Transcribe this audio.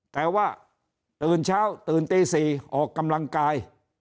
แต่ว่าตื่นเช้าตื่นตี๔ออกกำลังกาย